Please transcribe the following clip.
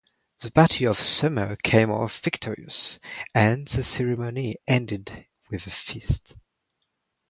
The party of Summer came off victorious, and the ceremony ended with a feast.